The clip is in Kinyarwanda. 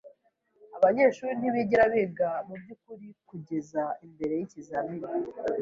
Abanyeshuri ntibigera biga mubyukuri kugeza mbere yikizamini.